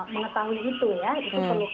mengetahui itu ya itu perlu